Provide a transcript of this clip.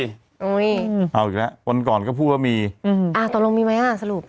เอาอีกแล้ววันก่อนก็พูดว่ามีอืมอ่าตกลงมีไหมอ่ะสรุป